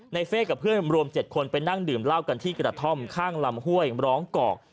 เฟ่กับเพื่อนรวม๗คนไปนั่งดื่มเหล้ากันที่กระท่อมข้างลำห้วยร้องกอก